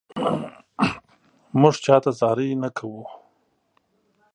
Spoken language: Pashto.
مونږ چاته زاري نه کوو